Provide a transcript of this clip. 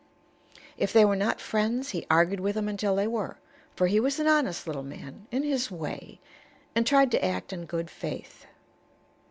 If they were not friends, he argued with them until they were, for he was an honest little man, in his way, and tried to act in good faith.